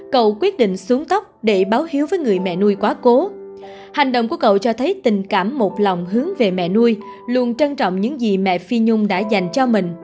cậu quyết định xuống tóc để báo hiếu với người mẹ nuôi quá cố